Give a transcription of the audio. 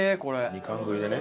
２貫食いでね。